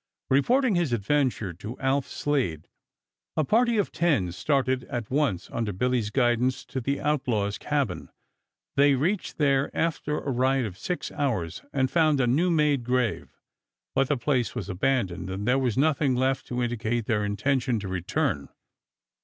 Reporting his adventure to Alf Slade, a party of ten started at once under Billy's guidance to the outlaws' cabin. They reached there after a ride of six hours and found a new made grave, but the place was abandoned and there was nothing left to indicate their intention to return.